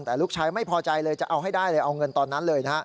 แต่ลูกชายไม่พอใจเลยจะเอาให้ได้เลยเอาเงินตอนนั้นเลยนะฮะ